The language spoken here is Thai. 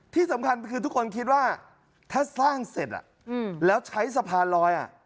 ที่สำคัญคือทุกคนคิดว่าถ้าสร้างเสร็จแล้วใช้สะพานลอย